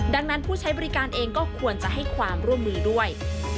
ดังนั้นผู้ใช้บริการเองก็ควรจะให้ความร่วมมือด้วย